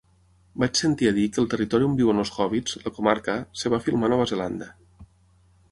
Vaig sentir a dir que el territori on viuen els hòbbits, la Comarca, es va filmar a Nova Zelanda.